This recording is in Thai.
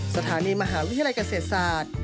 สถานีมหาวิทยาลัยเกษตรศาสตร์